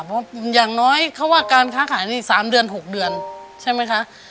เพราะอย่างน้อยเขาว่าการค้าขายนี่๓เดือน๖เดือนใช่ไหมคะ